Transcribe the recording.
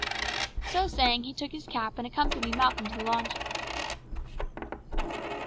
So saying he took his cap and accompanied Malcolm to the lodging.